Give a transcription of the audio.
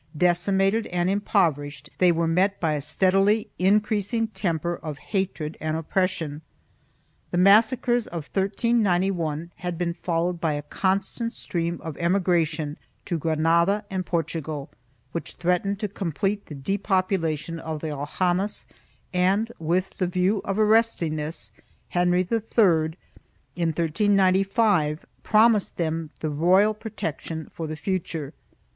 Decimated and impoverished, they were met by a steadily increasing temper of hatred and oppression. The mas sacres of j. 391 had been followed by a constant stream of emigra tion to Granada and Portugal, which threatened to complete the depopulation of the aljamas and, with the view of arresting this, Henry III, in 1395, promised them the royal protection for the future.